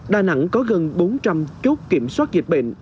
đà nẵng có gần bốn trăm linh chốt kiểm soát dịch bệnh